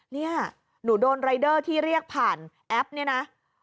เนี่ยหนูโดนรายเดอร์ที่เรียกผ่านแอปเนี่ยนะ